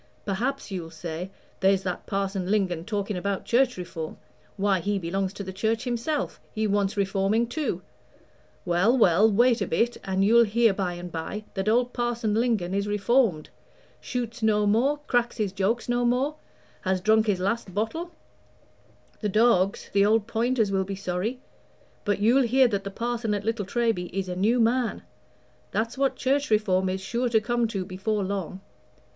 Perhaps you'll say, 'There's that Parson Lingon talking about Church Reform why, he belongs to the Church himself he wants reforming too.' Well, well, wait a bit, and you'll hear by and by that old Parson Lingon is reformed shoots no more, cracks his joke no more, has drunk his last bottle: the dogs, the old pointers, will be sorry; but you'll hear that the Parson at Little Treby is a new man. That's what Church Reform is sure to come to before long.